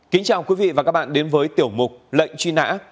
kính chào quý vị và các bạn đến với tiểu mục lệnh truy nã